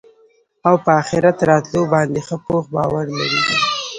او په آخرت راتلو باندي ښه پوخ باور لري